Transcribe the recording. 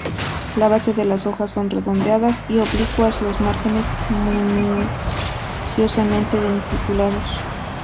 Las bases de las hojas son redondeadas y oblicuas, los márgenes minuciosamente denticulados.